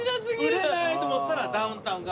売れないと思ったらダウンタウンが。